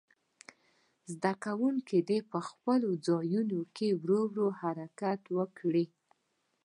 زده کوونکي په خپلو ځایونو کې ورو ورو حرکت وکړي.